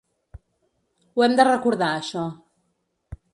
Ho hem de recordar això.